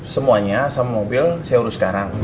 semuanya sama mobil saya urus sekarang